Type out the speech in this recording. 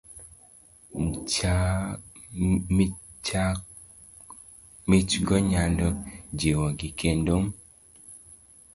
Michgo nyalo jiwogi, kendo m